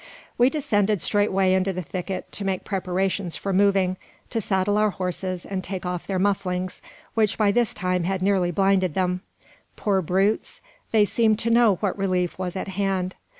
We descended straightway into the thicket to make preparations for moving to saddle our horses and take off their mufflings, which by this time had nearly blinded them. Poor brutes! they seemed to know that relief was at hand.